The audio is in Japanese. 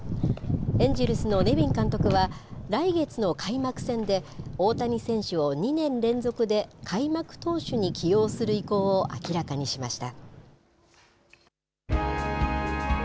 エンジェルスのネビン監督は、来月の開幕戦で、大谷選手を２年連続で開幕投手に起用する意向を明らかにしました。